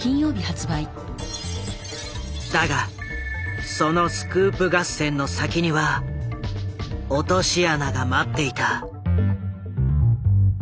だがそのスクープ合戦の先には落とし穴が待っていた。